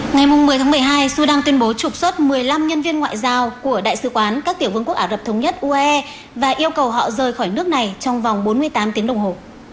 ngày một mươi tháng một mươi hai sudan tuyên bố trục xuất một mươi năm nhân viên ngoại giao của đại sứ quán các tiểu vương quốc ả rập thống nhất uae và yêu cầu họ rời khỏi nước này trong vòng bốn mươi tám tiếng đồng hồ